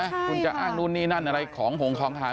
คุณจะอ้างนู่นนี่นั่นอะไรของหงของหาย